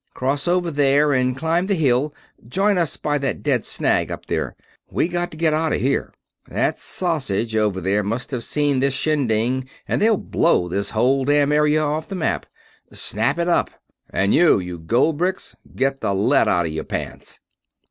Cross over there and climb the hill join us by that dead snag up there. We got to get out of here. That sausage over there must have seen this shindig and they'll blow this whole damn area off the map. Snap it up! And you, you goldbricks, get the lead out of your pants!"